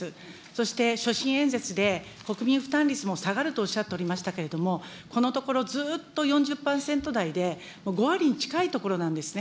そして所信演説で国民負担率も下がるとおっしゃっておりましたけれども、このところずーっと４０％台で、５割に近いところなんですね。